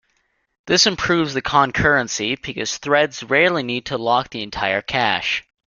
This improves the concurrency, because threads rarely need to lock the entire cache.